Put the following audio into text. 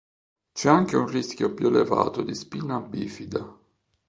C'è anche un rischio più elevato di spina bifida.